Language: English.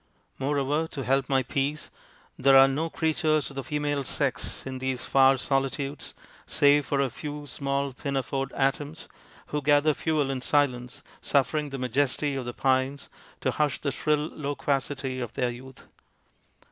Moreover, to help my peace, there are no creatures of the female sex in these far soli tudes, save for a few small pinafored atoms who gather fuel in silence, suffering the majesty of the pines to hush the shrill loquacity of their youth.